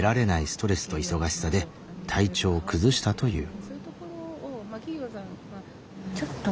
ストレスと忙しさで体調を崩したという。